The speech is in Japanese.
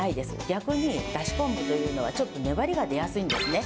逆に、だし昆布というのは、ちょっと粘りが出やすいんですね。